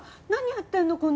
何やってるの？